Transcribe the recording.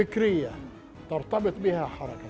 kita tidak berkualitas